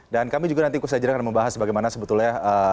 dan kami juga nanti usai jerakan membahas bagaimana sebetulnya